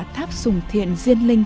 tháp sùng thiện diên linh